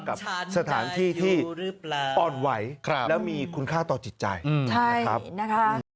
กับสถานที่ที่อ่อนไหวแล้วมีคุณค่าต่อจิตใจนะครับ